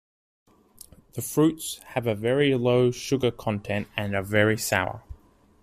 The fruits have a very low sugar content and are very sour.